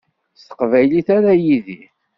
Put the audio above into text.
S teqbaylit ara yidir.